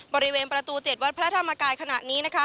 บริเวณประตู๗วัดพระธรรมกายขณะนี้นะคะ